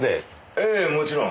ええもちろん。